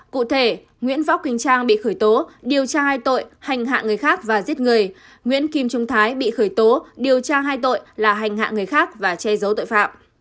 cụ thể nguyễn võ quỳnh trang bị khởi tố điều tra hai tội hành hạ người khác và giết người nguyễn kim trung thái bị khởi tố điều tra hai tội là hành hạ người khác và che giấu tội phạm